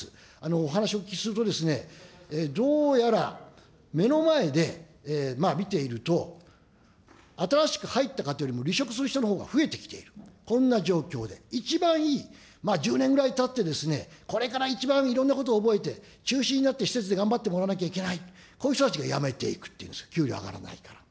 お話をお聞きすると、どうやら目の前で見ていると、新しく入った方よりも離職する人のほうが増えてきている、こんな状況で、一番いい、１０年ぐらいたって、これから一番いろんなこと覚えて、中心になって施設で頑張ってもらわなきゃいけない、こういう人たちが辞めていくっていうんです、給料上がらないから。